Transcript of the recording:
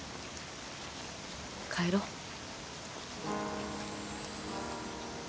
帰ろう。